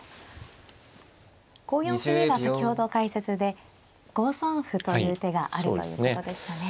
５四歩には先ほど解説で５三歩という手があるということでしたね。